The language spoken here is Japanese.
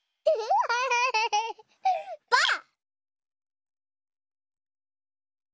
ばあっ！